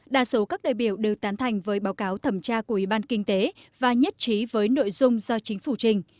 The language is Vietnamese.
đa số các đại biểu đều tán thành với báo cáo thẩm tra của ủy ban kinh tế và nhất trí với nội dung do chính phủ trình